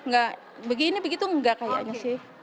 nggak begini begitu enggak kayaknya sih